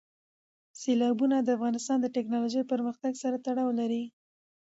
سیلابونه د افغانستان د تکنالوژۍ پرمختګ سره تړاو لري.